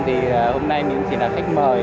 thì hôm nay mình chỉ là khách mời